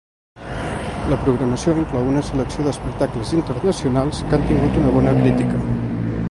La programació inclou una selecció d’espectacles internacionals que han tingut una bona crítica.